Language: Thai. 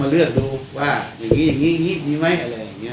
มาเลือกดูว่าอย่างงี้อย่างงี้อย่างงี้มั้ยอะไรอย่างเงี้ย